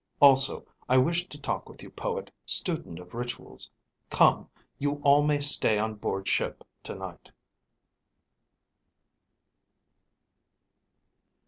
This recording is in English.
Also, I wish to talk with you, poet, student of rituals. Come, you all may stay on board ship tonight."